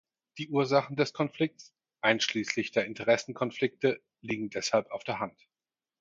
Die Ursachen des Konflikts, einschließlich der Interessenkonflikte, liegen deshalb auf der Hand.